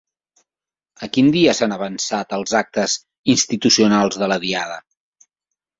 A quin dia s'han avançat els actes institucionals de la Diada?